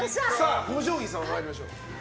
五条院さん、参りましょう。